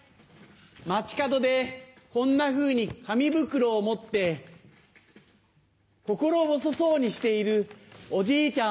街角でこんなふうに紙袋を持って心細そうにしているおじいちゃん